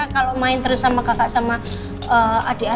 kalau main terus sama kakak sama adik aski ya